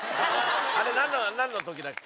あれ何のときだっけ？